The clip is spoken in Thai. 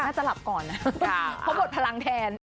น่าจะหลับก่อนนะ